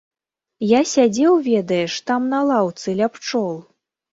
Я сядзеў, ведаеш, там на лаўцы ля пчол.